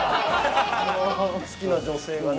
◆好きな女性がね